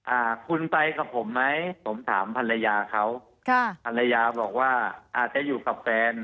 อ่าคุณไปกับผมไหมผมถามภรรยาเขาค่ะภรรยาบอกว่าอาจจะอยู่กับแฟน